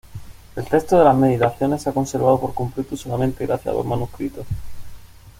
El texto de las "Meditaciones" se ha conservado completo solamente gracias a dos manuscritos.